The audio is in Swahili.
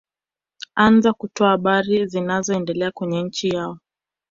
anwez kutoa habari zinazoendelea kwenye nchi yao